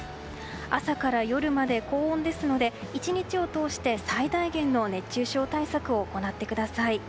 朝から夜まで高温ですので１日を通して最大限の熱中症対策を行ってください。